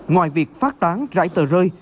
ngoài việc phát tán rãi tờ rơi